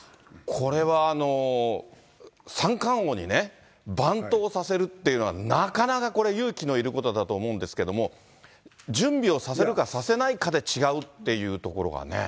これは、三冠王にね、バントをさせるっていうのは、なかなかこれ、勇気のいることだと思うんですけども、準備をさせるかさせないかで違うっていうところがね。